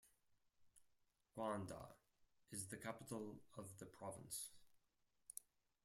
Gwanda is the capital of the province.